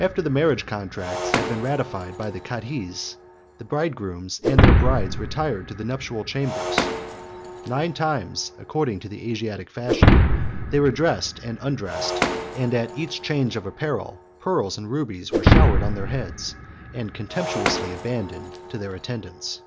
After the marriage contracts had been ratified by the cadhis, the bride grooms and their brides retired to the nuptial chambers: nine times, according to the Asiatic fashion, they were dressed and undressed; and at each change of apparel, pearls and rubies were showered on their heads, and contemptuously abandoned to their attendants.